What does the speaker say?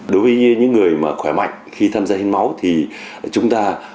đối với những người khỏe mạnh khi tham gia hình máu thì chúng ta